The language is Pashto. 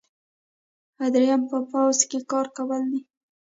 دریم په پوځ کې کار کول دي.